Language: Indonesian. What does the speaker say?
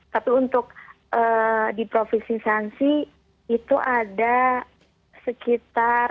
tapi untuk di provinsi shansi itu ada sekitar